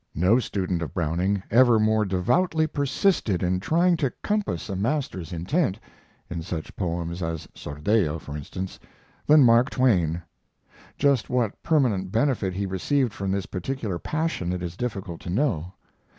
No student of Browning ever more devoutly persisted in trying to compass a master's intent in such poems as "Sordello," for instance than Mark Twain. Just what permanent benefit he received from this particular passion it is difficult to know.